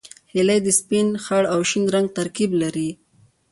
هیلۍ د سپین، خړ او شین رنګ ترکیب لري